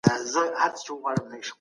کریستن لیسن، مککرندل او الکساندر